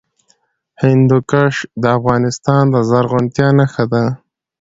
هندوکش د افغانستان د زرغونتیا نښه ده.